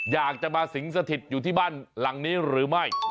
อยากจะมาสิงสถิตอยู่ที่บ้านหลังนี้หรือไม่